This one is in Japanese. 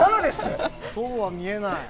そうは見えない。